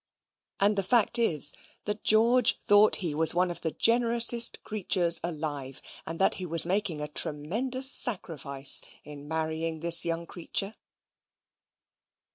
And the fact is, that George thought he was one of the generousest creatures alive: and that he was making a tremendous sacrifice in marrying this young creature.